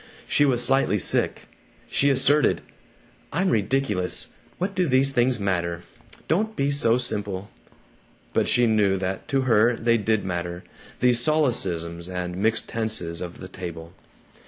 She was slightly sick. She asserted, "I'm ridiculous. What do these things matter! Don't be so simple!" But she knew that to her they did matter, these solecisms and mixed tenses of the table.